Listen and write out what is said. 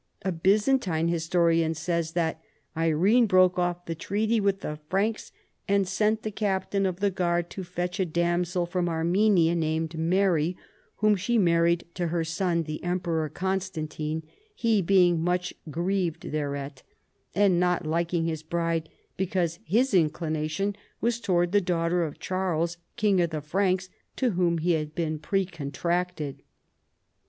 A Byzantine historian says that " Irene broke off the treaty with the Franks and sent the Captain of the Guard to fetch a damsel from Armenia named Mary whom she married to her son tlie Emperor Constantiue, he being much grieved thereat, and not liking his bride because his inclination was towards the daughter of Charles, King of the Franks, to whom he had been precontracted."